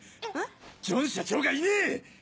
ジョン社長がいねえ！